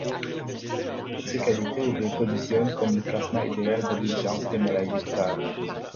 Toutes ces qualités le positionnent comme le plasma idéal de l'urgence hémorragique grave.